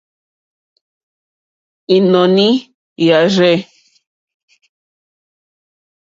Ínɔ̀ní jâ rzɛ̂.